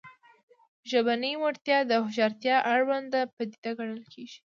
ژبنۍ وړتیا د هوښیارتیا اړونده پدیده ګڼل کېږي